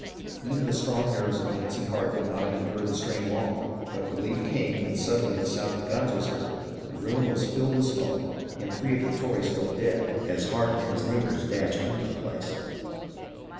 Even the strong nerves of Nancy Hart could not have endured the strain long, but relief came when sud denly the sound of guns was heard, the room was filled with smoke, and three of the Tories fell dead as Hart and 360 HISTORY OF THE AMERICAN REVOLUTION his neighbours dashed into the place.